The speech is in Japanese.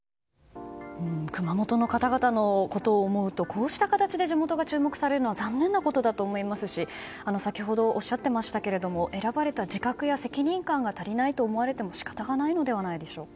熊本の方々のことを思うとこうした形で地元が注目されるのは残念なことだと思いますし先ほどおっしゃっていましたが選ばれた自覚や責任感が足りないと思われても仕方がないのではないでしょうか。